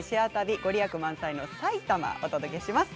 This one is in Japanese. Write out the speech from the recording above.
御利益満載の埼玉をお届けします。